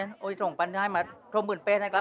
อ้าวสองพันให้มาทรงบุญแปดนะครับ